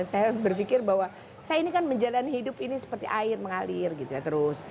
saya berpikir bahwa saya ini kan menjalani hidup ini seperti air mengalir gitu ya terus